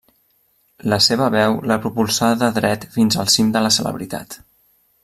La seva veu la propulsà de dret fins al cim de la celebritat.